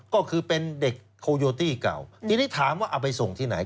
ก็คือเป็นเด็กโคโยตี้เก่าทีนี้ถามว่าเอาไปส่งที่ไหน